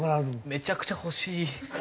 めちゃくちゃ欲しい。